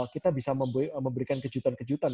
kita bisa memberikan kejutan kejutan